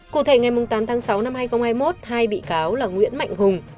cụ thể ngày tám tháng sáu năm hai nghìn hai mươi một hai bị cáo là nguyễn mạnh hùng